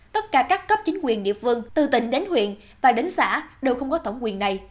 tất cả các cấp chính quyền địa phương từ tỉnh đến huyện và đến xã đều không có thẩm quyền này